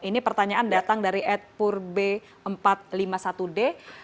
ini pertanyaan datang dari edpur b empat ratus lima puluh satu d